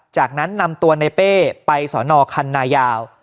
จากนั้นนำตัวในเป้ไปสอนอคันนายาว